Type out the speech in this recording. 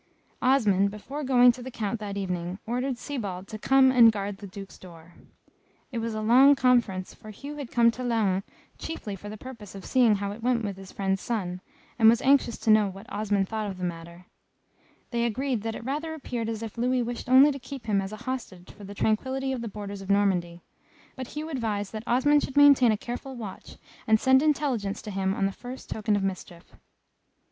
Osmond, before going to the Count that evening, ordered Sybald to come and guard the Duke's door. It was a long conference, for Hugh had come to Laon chiefly for the purpose of seeing how it went with his friend's son, and was anxious to know what Osmond thought of the matter. They agreed that at present there did not seem to be any evil intended, and that it rather appeared as if Louis wished only to keep him as a hostage for the tranquillity of the borders of Normandy; but Hugh advised that Osmond should maintain a careful watch, and send intelligence to him on the first token of mischief.